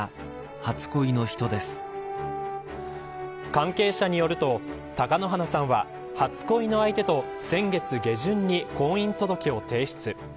関係者によると貴乃花さんは初恋の相手と先月下旬に婚姻届を提出。